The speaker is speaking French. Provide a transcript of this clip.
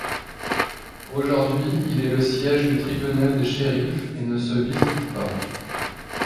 Aujourd'hui il est le siège du tribunal des shérifs et ne se visite pas.